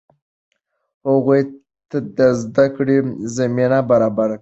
هغوی ته د زده کړې زمینه برابره کړئ.